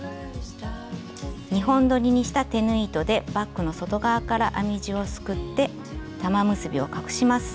２本どりにした手縫い糸でバッグの外側から編み地をすくって玉結びを隠します。